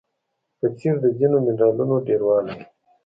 په څېر د ځینو منرالونو ډیروالی